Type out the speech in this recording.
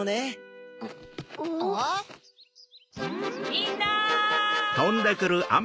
みんな！